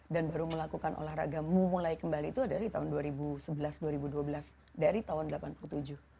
dan baru melakukan olahraga mau mulai kembali itu adalah dari tahun dua ribu sebelas dua ribu dua belas dari tahun seribu sembilan ratus delapan puluh tujuh